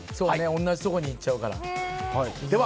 同じところにいっちゃうからね。